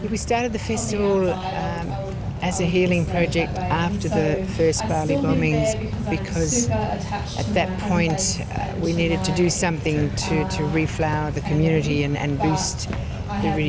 karena pada saat itu kita harus melakukan sesuatu untuk membangun komunitas dan memperbaiki semangat semangat orang